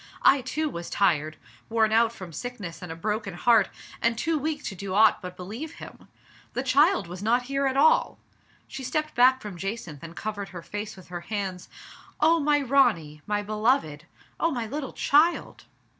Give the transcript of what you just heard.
I, too, was tired, worn out from sickness and a broken heart, and too weak to do aught but believe him. The child was not here at all !". She stepped back from Jacynth, and covered her face with her hands. "Oh, my Ronny! My beloved! Oh, my little child!"